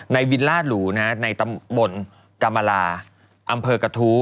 วิลล่าหลูนะฮะในตำบลกรรมลาอำเภอกระทู้